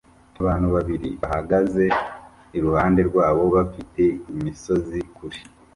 abantu babiri bahagaze iruhande rwabo bafite imisozi kure